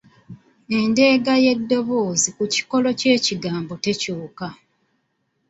Endeega y’eddoboozi ku kikolo ky’ekigambo tekyuka